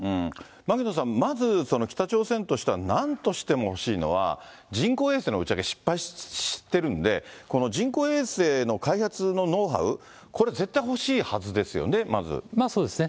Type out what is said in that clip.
牧野さん、まず、北朝鮮としてはなんとしてもほしいのは、人工衛星の打ち上げ失敗してるんで、人工衛星の開発のノウハウ、これ、まあそうですね。